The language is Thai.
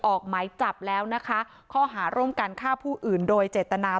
ออกหมายจับแล้วนะคะข้อหาร่วมกันฆ่าผู้อื่นโดยเจตนา